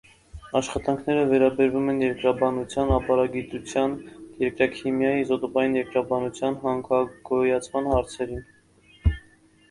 Աշխատանքները վերաբերում են երկրաբանության, ապարագիտության, երկրաքիմիայի, իզոտոպային երկրաբանության, հանքագոյացման հարցերին։